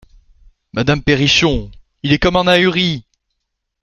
Madame PERRICHON Il est comme un ahuri !